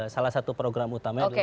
salah satu program utamanya